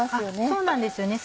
そうなんですよね。